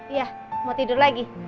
iya mau tidur lagi